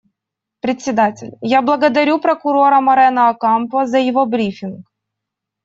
Председатель: Я благодарю Прокурора Морено Окампо за его брифинг.